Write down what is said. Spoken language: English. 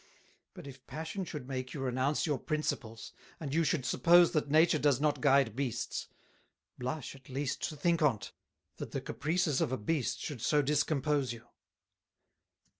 But if Passion should make you renounce your Principles, and you should suppose that Nature does not guide Beasts; blush, at least, to think on't, that the Caprices of a Beast should so discompose you.